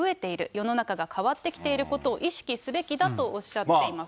世の中が変わってきていることを意識すべきだとおっしゃっています。